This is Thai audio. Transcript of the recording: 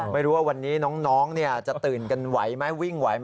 ไม่รู้ว่าวันนี้น้องจะตื่นกันไหวไหมวิ่งไหวไหม